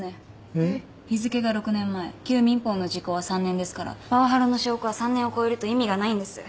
えっ？日付が６年前旧民法の時効は３年ですからパワハラの証拠は３年を超えると意味がないんです。